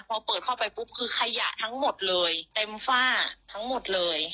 พอเปิดเข้าไปปุ๊บคือขยะทั้งหมดเลยเต็มฝ้าทั้งหมดเลย